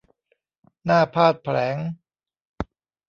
หน้าพาทย์แผลง